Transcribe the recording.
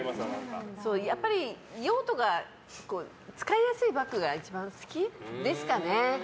やっぱり、用途が使いやすいバッグが一番好きですかね。